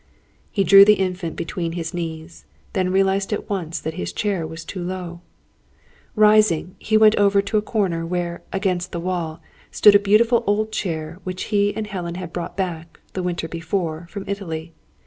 He drew the Infant between his knees; then realised at once that his chair was too low. Rising, he went over to a corner where, against the wall, stood a beautiful old chair which he and Helen had brought back, the winter before, from Italy.